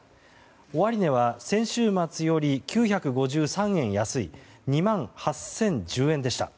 終値は先週末より９５３円安い２万８０１０円でした。